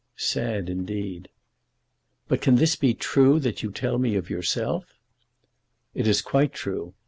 "Sad, indeed." "But can this be true that you tell me of yourself? "It is quite true.